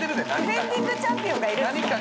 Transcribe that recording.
ディフェンディングチャンピオンがいるんですか？